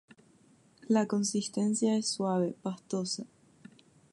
La consistencia es suave, pastosa.